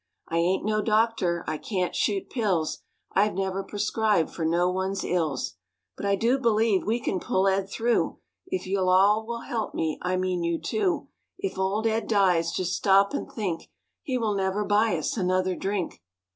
I ain't no doctor, I can't shoot pills, I've never prescribed for no one's ills But I do believe we can pull Ed through, If you all will help me;—I mean you two. If old Ed dies, just stop and think, He will never buy us another drink!